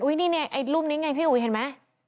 อุ้ยนี่เนี่ยไอ้รูปนี้ไงพี่อุ๋ยเห็นไหม